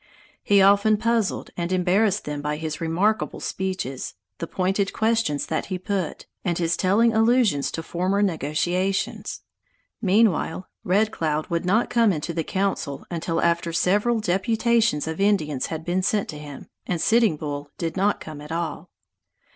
He often puzzled and embarrassed them by his remarkable speeches, the pointed questions that he put, and his telling allusions to former negotiations. Meanwhile Red Cloud would not come into the council until after several deputations of Indians had been sent to him, and Sitting Bull did not come at all.